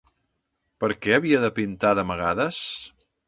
Per què havia de pintar d'amagades?